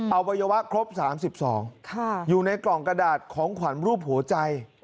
อวัยวะครบ๓๒อยู่ในกล่องกระดาษของขวัญรูปหัวใจ